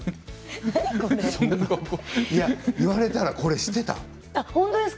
いわれたらこれしていた。